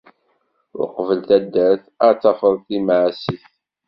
Uqbel taddart ad tafeḍ timɛessit.